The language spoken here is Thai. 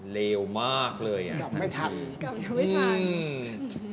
เลวมากเลยอ่ะท่านพี่กลับไม่พัก